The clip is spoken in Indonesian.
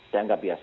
ya anggap biasa